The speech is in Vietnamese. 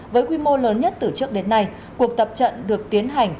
với quy mô lớn nhất từ trước đến nay cuộc tập trận được tiến hành